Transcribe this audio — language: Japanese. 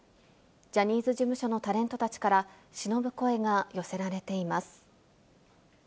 ジャニーズ事務所のタレントたちからしのぶ声が寄せられています。